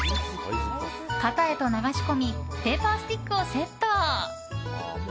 型へと流し込みペーパースティックをセット。